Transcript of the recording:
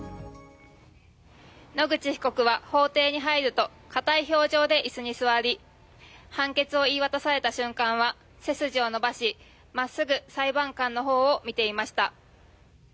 野口被告は法廷に入ると硬い表情で椅子に座り、判決を言い渡された瞬間は背筋を伸ばしまっすぐ裁判官の方を見ていました。